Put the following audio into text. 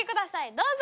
どうぞ。